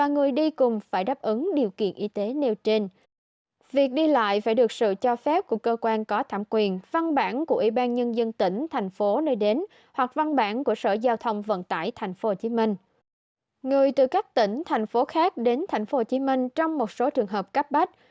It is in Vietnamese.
người từ các tỉnh thành phố khác đến thành phố hồ chí minh trong một số trường hợp cắp bách